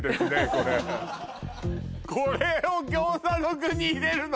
これこれを餃子の具に入れるの！？